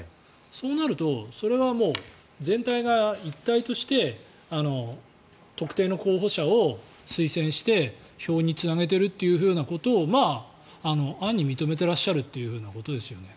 そうなると、それはもう全体が一体として特定の候補者を推薦して票につなげていることを暗に認めてらっしゃるということですよね。